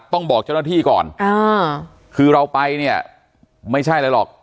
ต้องบอกเจ้าหน้าที่ก่อนอ่าคือเราไปเนี่ยไม่ใช่อะไรหรอก